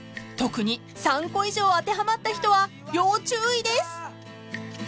［特に３個以上当てはまった人は要注意です］